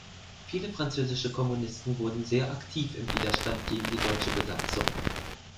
Viele französische Kommunisten wurden sehr aktiv im Widerstand gegen die deutsche Besatzung.